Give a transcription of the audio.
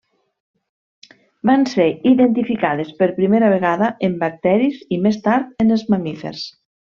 Van ser identificades per primera vegada en bacteris i més tard en els mamífers.